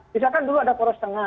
misalkan dulu ada poros tengah